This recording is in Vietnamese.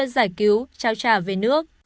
trao trả về nước